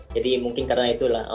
jadi mungkin karena itulah